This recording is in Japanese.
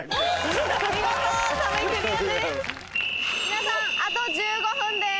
皆さんあと１５分です！